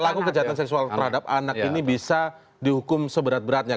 pelaku kejahatan seksual terhadap anak ini bisa dihukum seberat beratnya